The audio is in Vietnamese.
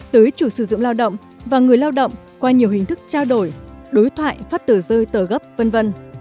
tới chủ sử dụng lao động và người lao động qua nhiều hình thức trao đổi đối thoại phát tờ rơi tờ gấp v v